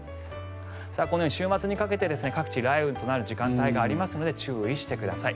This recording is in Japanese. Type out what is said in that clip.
このように週末にかけて各地、雷雨となる時間帯がありますので注意してください。